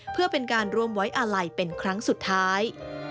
เพื่อเป็นการร่วมไว้อาลัยเป็นครั้งสุดท้าย